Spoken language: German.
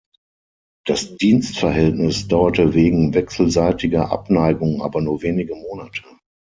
Das Dienstverhältnis dauerte wegen wechselseitiger Abneigung aber nur wenige Monate.